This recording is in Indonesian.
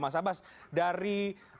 mas abbas dari